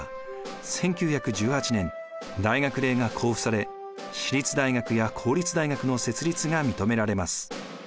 １９１８年大学令が公布され私立大学や公立大学の設立が認められます。